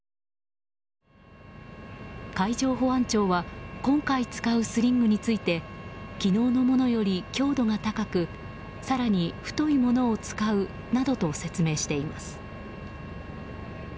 海上保安庁は今回使うスリングについて昨日のものより強度が高く更に、太いものを使うなどと説明しています。